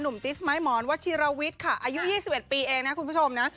ติ๊สไม้หมอนวัชิรวิทย์ค่ะอายุ๒๑ปีเองนะคุณผู้ชมนะ